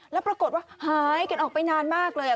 แล้วปรากฏว่าหายกันออกไปนานมากเลย